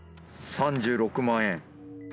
「３６万円」。